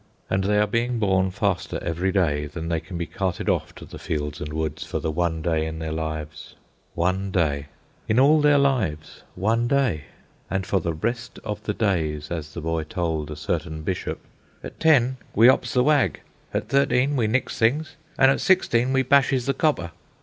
And they are being born faster every day than they can be carted off to the fields and woods for the one day in their lives. One day! In all their lives, one day! And for the rest of the days, as the boy told a certain bishop, "At ten we 'ops the wag; at thirteen we nicks things; an' at sixteen we bashes the copper."